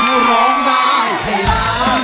เพราะร้องได้ให้ร้าน